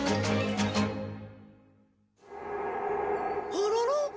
あらら？